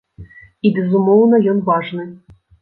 І, безумоўна, ён важны.